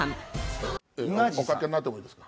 おかけになってもいいですか？